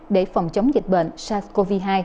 để phòng chống dịch bệnh sars cov hai